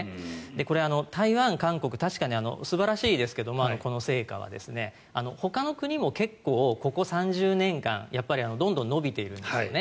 これは台湾、韓国のこの成果は確かに素晴らしいですけどほかの国も結構、ここ３０年間どんどん伸びているんですね。